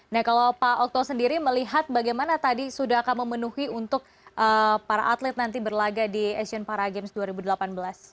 nah kalau pak okto sendiri melihat bagaimana tadi sudah akan memenuhi untuk para atlet nanti berlaga di asian para games dua ribu delapan belas